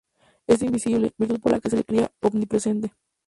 Es invisible, virtud por la que se lo creía omnipresente.